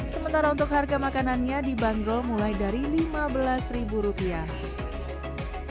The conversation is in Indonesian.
sementara untuk harga makanannya di bandung mulai dari lima belas rupiah